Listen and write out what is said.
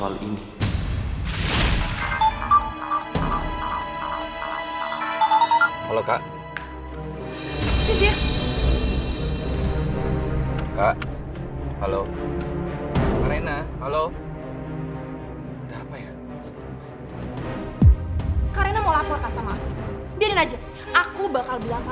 malah bikin masalah aja